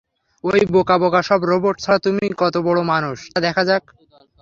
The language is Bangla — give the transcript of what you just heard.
ওই বোকা বোকা সব রোবট ছাড়া তুমি কত বড় মানুষ তা দেখা যাক।